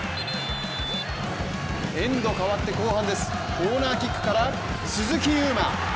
エンド変わって後半です、コーナーキックから鈴木優磨！